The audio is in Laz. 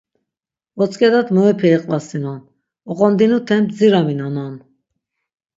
Votzk̆edat muepe iqvasinon, oqondinuten bdziraminonan.